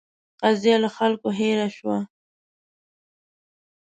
قضیه له خلکو هېره شوه.